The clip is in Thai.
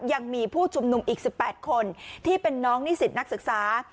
ยังมีผู้ชุมนุมอีก๑๘คนที่เป็นน้องนิสิตนักศึกษา